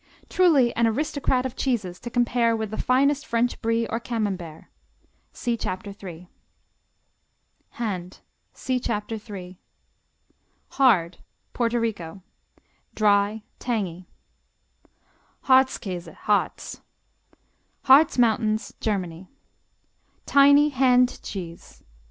Truly an aristocrat of cheeses to compare with the finest French Brie or Camembert. See Chapter 3. Hand see Chapter 3. Hard Puerto Rico Dry; tangy. Harzkäse, Harz Harz Mountains, Germany Tiny hand cheese.